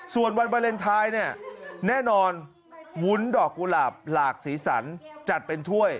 ส่วนวันวาเลนไทยเนี่ยแน่นอนวุ้นดอกกุหลาบหลากสีสันจัดเป็นถ้วย